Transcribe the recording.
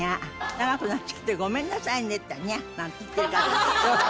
「長くなっちゃってごめんなさいね」って言ったら「ニャー」なんて言ってるから。